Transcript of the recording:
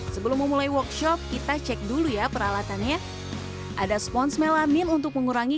sebelum memulai workshop kita cek dulu ya peralatannya ada sponge melamil untuk mengurangi